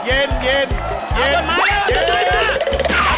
เอาต้นไม้เร็วเอาต้นไม้มา